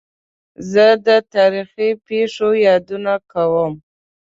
زه د تاریخي پېښو یادونه کوم.